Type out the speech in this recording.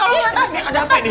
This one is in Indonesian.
ini ada apa ini